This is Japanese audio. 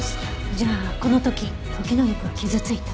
じゃあこの時トキノギクは傷ついた。